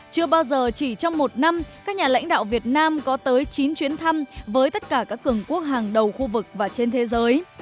chưa bao giờ chỉ trong một năm các nhà lãnh đạo việt nam có tới chín chuyến thăm với tất cả các cường quốc hàng đầu khu vực và trên thế giới